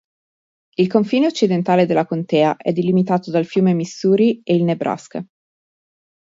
Il confine occidentale della contea è delimitato dal fiume Missouri e il Nebraska.